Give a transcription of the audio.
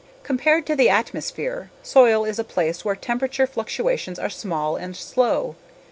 Compared to the atmosphere, soil is a place where temperature fluctuations are small and slow.